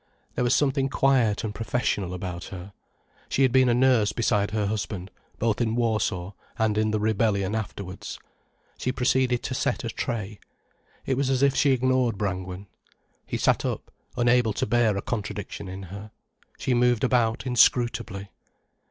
There was something quiet and professional about her. She had been a nurse beside her husband, both in Warsaw and in the rebellion afterwards. She proceeded to set a tray. It was as if she ignored Brangwen. He sat up, unable to bear a contradiction in her. She moved about inscrutably.